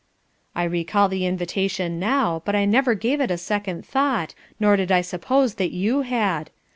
"I recall the invitation now, but I never gave it a second thought, nor did I suppose that you had.